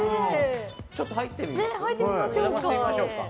ちょっと入ってみましょうか。